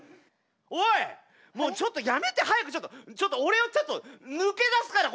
おいもうちょっとやめて早くちょっとちょっと俺をちょっと抜け出すから。